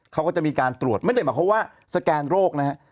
เขาก็จะมีการตรวจไม่ได้หมายความว่าสแกนโรคนะฮะ